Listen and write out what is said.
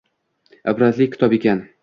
Ibratli kitob ekan.